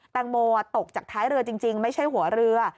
แตงโมตกจากท้ายเรือจริงไม่ใช่หัวเรือ